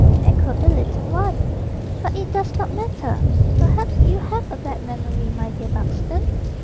echoed the little one. "But it does not matter. Perhaps you have a bad memory, my dear Buxton."